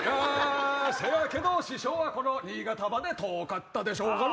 せやけど師匠はこの新潟まで遠かったでしょうから。